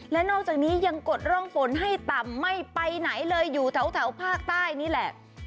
และนอกจากนี้ยังกดร่องฝนให้ต่ำไม่ไปไหนเลยอยู่แถวภาคใต้นี่แหละ